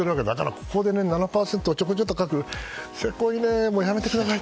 ここで７％をちょこっと書くっていうのはせこいね、やめてください！